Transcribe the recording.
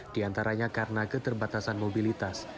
diantaranya karena keterbatasan mobilitas